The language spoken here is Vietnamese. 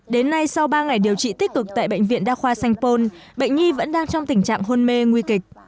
đến nay sau ba ngày điều trị tích cực tại bệnh viện đa khoa sanh pôn bệnh nhi vẫn đang trong tình trạng hôn mê nguy kịch